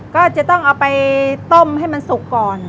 ก็จะต้องเอาไปต้มให้มันสุกก่อน